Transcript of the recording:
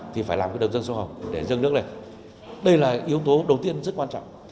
thì phải làm cái đập dâng sông hồng để dâng nước này đây là yếu tố đầu tiên rất quan trọng